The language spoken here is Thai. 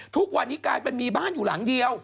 ทุกวันนี้กลายเป็นมีบ้านอยู่หลังเดียว